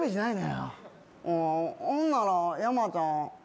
ほんなら山ちゃん